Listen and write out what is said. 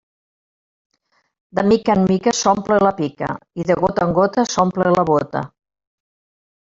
De mica en mica s'omple la pica i de gota en gota s'omple la bóta.